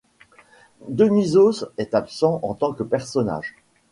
Dionysos est absent en tant que personnage.